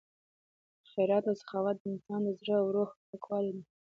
خیرات او سخاوت د انسان د زړه او روح پاکوالی دی.